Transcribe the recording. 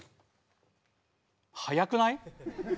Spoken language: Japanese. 速くない？